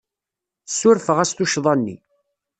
Ssurfeɣ-as tuccḍa-nni.